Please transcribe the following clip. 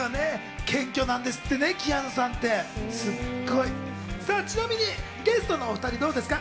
謙虚なんですってね、キアヌさんってね、すごい！ちなみにゲストのお２人はどうですか？